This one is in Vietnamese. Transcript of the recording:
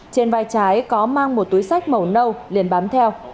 trên vai trái có mang một túi sách màu nâu liền bám theo